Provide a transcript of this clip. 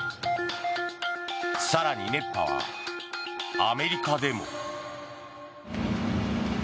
更に、熱波はアメリカでも。